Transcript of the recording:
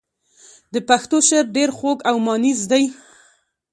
د پښتو شعر ډېر خوږ او مانیز دی.